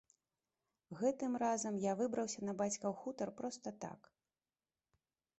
Гэтым разам я выбраўся на бацькаў хутар проста так.